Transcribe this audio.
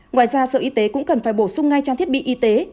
ngoài ra sở y tế cũng cần phải bổ sung ngay trang thiết bị y tế